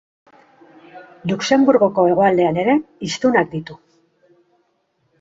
Luxenburgoko hegoaldean ere hiztunak ditu.